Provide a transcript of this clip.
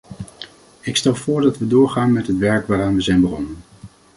Ik stel voor dat we doorgaan met het werk waaraan we zijn begonnen.